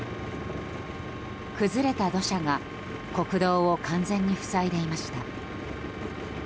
崩れた土砂が国道を完全に塞いでいました。